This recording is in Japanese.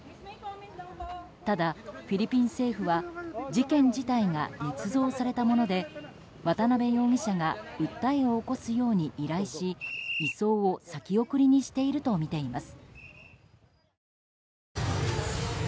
ただ、フィリピン政府は事件自体がねつ造されたもので渡邉容疑者が訴えを起こすように依頼し移送を先送りにしているとみています。